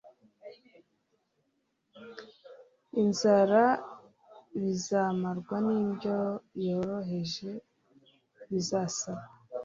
inzara bizamarwa n’indyo yoroheje. Bizasaba